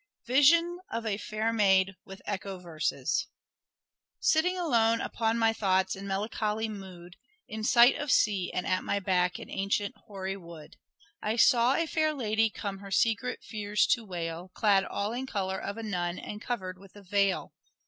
VISION OF A FAIR MAID, WITH ECHO VERSES. Sitting alone upon my thoughts in melancholy mood, In sight of sea, and at my back an ancient hoary wood, I saw a fair young lady come her secret fears to wail, Clad all in colour of a nun, and covered with a veil.